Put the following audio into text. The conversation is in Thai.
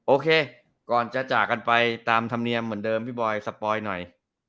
โอเคก่อนจะจากกันไปตามธรรมเนียมเหมือนเดิมพี่บอยสปอยหน่อย